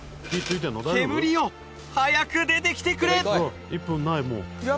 煙よ早く出てきてくれ！